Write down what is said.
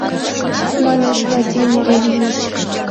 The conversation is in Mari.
— манеш Владимир Ильич.